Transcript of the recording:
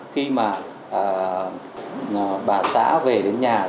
khi mà bà xã về đến nhà